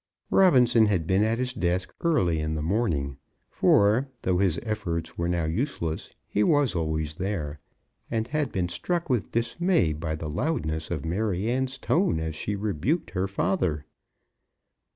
Robinson had been at his desk early in the morning, for, though his efforts were now useless, he was always there; and had been struck with dismay by the loudness of Maryanne's tone as she rebuked her father.